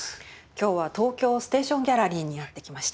今日は東京ステーションギャラリーにやって来ました。